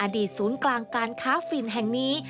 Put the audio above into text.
ศูนย์กลางการค้าฝิ่นแห่งนี้